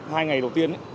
hai ngày đầu tiên